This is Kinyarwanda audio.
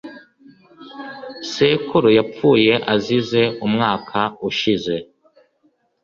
Sekuru yapfuye azize umwaka ushize.